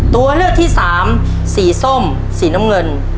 ตัวเลือกที่สามสีส้มสีน้ำเงิน